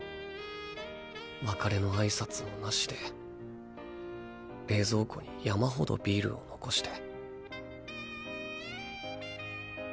別れの挨拶もなしで冷蔵庫に山ほどビールを残して。